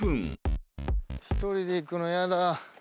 一人で行くの嫌だ。